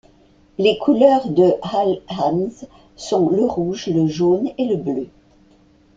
Les couleurs de l'Al Hazm sont le rouge, le jaune et le bleu.